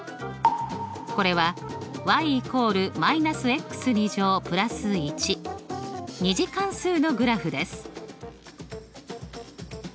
これは２次関数のグラフです。